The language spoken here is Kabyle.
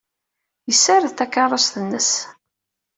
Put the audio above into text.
Yessared takeṛṛust-nnes.